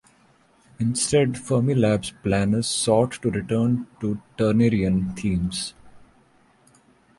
Instead Fermilab's planners sought to return to Turnerian themes.